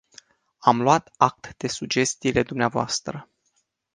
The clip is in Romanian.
Am luat act de sugestiile dumneavoastră.